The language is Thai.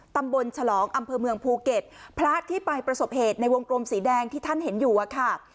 ตำบลฉลองอำเภอเมืองภูเก็ตพระที่ไปประสบเหตุในวงกลมสีแดงที่ท่านเห็นอยู่อะค่ะ